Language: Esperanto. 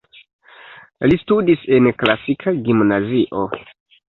Li studis en klasika gimnazio.